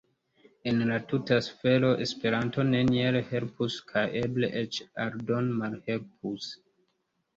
En la tuta afero Esperanto neniel helpus kaj eble eĉ aldone malhelpus.